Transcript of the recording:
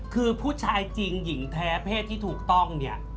คือผู้ชายจริงหญิงแท้เพศที่ถูกต้องเนี่ย